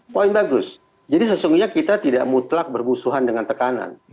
poin bagus jadi sesungguhnya kita tidak mutlak bermusuhan dengan tekanan